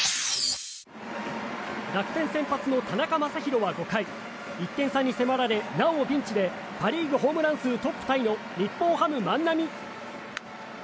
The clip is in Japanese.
楽天先発の田中将大は５回１点差に迫られなおもピンチでパ・リーグ、ホームラン数トップタイの日本ハム、万波。